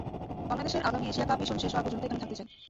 বাংলাদেশের আগামী Asia Cup mission শেষ হওয়া পর্যন্ত এখানে থাকতে চাই।